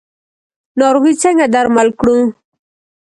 ناروغي څنګه درمل کړو؟